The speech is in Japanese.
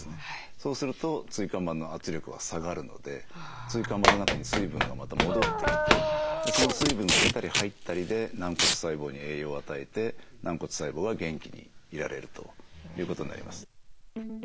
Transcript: そうすると椎間板の圧力は下がるので椎間板の中に水分がまた戻ってきてその水分が出たり入ったりで軟骨細胞に栄養を与えて軟骨細胞は元気にいられるということになります。